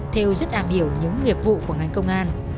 thêu rất ảm hiểu những nghiệp vụ của ngành công an